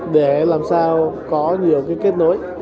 để làm sao có nhiều kết nối